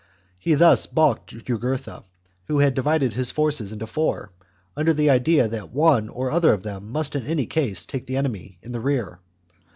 He thus baulked Jugurtha, who had divided his forces into four, under the idea that one or other of them must in any case take the enemy in the rear.